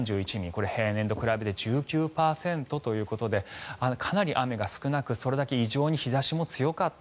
これ、平年と比べて１９％ということでかなり雨が少なくそれだけ異常に日差しも強かった。